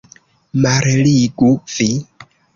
Malligu, vi!